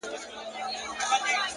حکمت د سمې کارونې نوم دی،